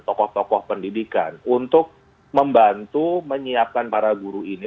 tokoh tokoh pendidikan untuk membantu menyiapkan para guru ini